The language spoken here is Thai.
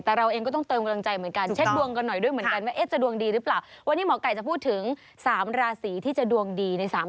ไม่ได้นะฮะก็คือด้านการงาน